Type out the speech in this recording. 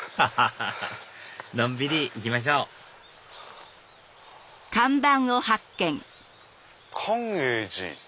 ハハハのんびり行きましょう「寛永寺